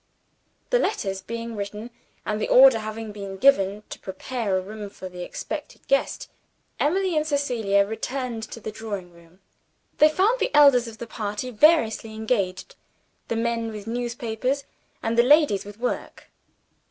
The letters being written and the order having been given to prepare a room for the expected guest Emily and Cecilia returned to the drawing room. They found the elders of the party variously engaged the men with newspapers, and the ladies with work.